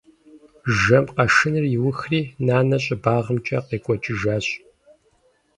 Жэм къэшыныр иухри, нанэ щӏыбагъымкӏэ къекӏуэкӏыжащ.